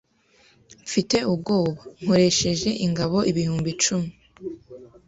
Mfite ubwoba Nkoresheje ingabo ibihumbi icumi